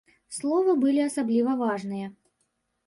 Словы былі асабліва важныя.